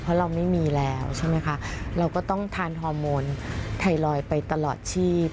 เพราะเราไม่มีแล้วใช่ไหมคะเราก็ต้องทานฮอร์โมนไทรอยด์ไปตลอดชีพ